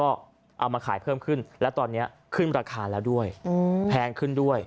ก็เอามาขายเพิ่มขึ้นและตอนนี้ขึ้นราคาแล้วด้วยแพงขึ้นด้วย